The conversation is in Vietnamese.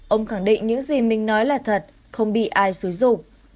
ông khẳng định những gì mình nói là thật không bị ai xúi rụ